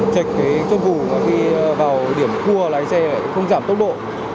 chạy cái chốt vù mà khi vào điểm cua lái xe lại không giảm tốc độ